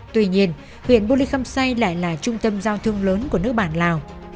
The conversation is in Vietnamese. tuy nhiên huyền bô ly khâm xay lại là trung tâm giao thương lớn của nước bạn lào